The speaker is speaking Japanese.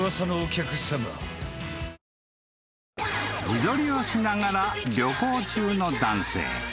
［自撮りをしながら旅行中の男性］